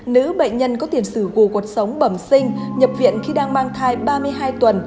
nữ bệnh nhân có tiền sử gù cột sống bẩm sinh nhập viện khi đang mang thai ba mươi hai tuần